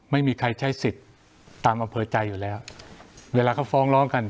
ไม่มีใครใช้สิทธิ์ตามอำเภอใจอยู่แล้วเวลาเขาฟ้องร้องกัน